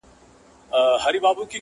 اوس نسيم راوړي خبر د تورو ورځو.!